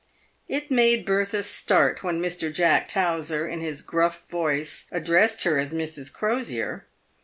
It made Bertha start when Mr. Jack Towser, in his gruff voice, addressed her as Mrs. Crosier.